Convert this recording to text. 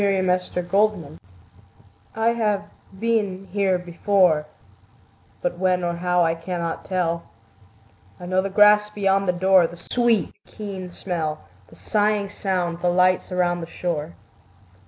Y Z Sudden Light I HAVE been here before, But when or how I cannot tell: I know the grass beyond the door, The sweet, keen smell, The sighing sound, the lights around the shore.